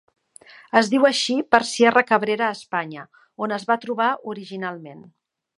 Es diu així per Sierra Cabrera a Espanya, on es va trobar originalment.